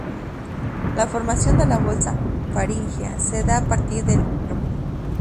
La formación de la bolsa faríngea se da a partir del endodermo.